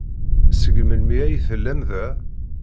Seg melmi ay tellam da?